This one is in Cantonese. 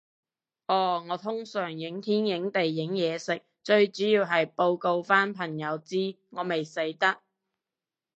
哦，我通常影天影地影嘢食，最主要係報告返畀朋友知，我未死得